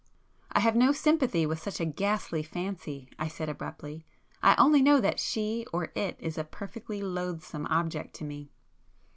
"I have no sympathy with such a ghastly fancy,"—I said abruptly—"I only know that she or it is a perfectly loathsome object to me."